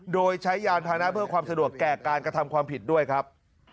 โดยใช้ยานพานะเพื่อความสะดวกแก่การกระทำความผิดด้วยครับ